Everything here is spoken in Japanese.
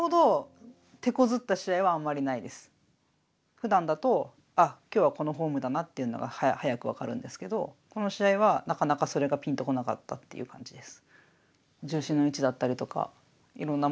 ふだんだと今日はこのフォームだなっていうのが早く分かるんですけどこの試合はなかなかそれがピンと来なかったっていう感じです。